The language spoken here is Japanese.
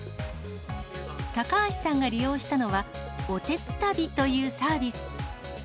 高橋さんが利用したのは、おてつたびというサービス。